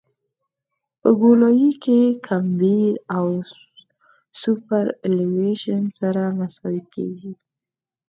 په ګولایي کې کمبر او سوپرایلیویشن سره مساوي کیږي